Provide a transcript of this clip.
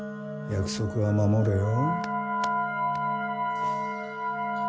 約束は守れよ。